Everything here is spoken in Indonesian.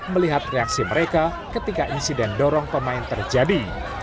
melihat reaksi mereka ketika insiden dorong pemain terjadi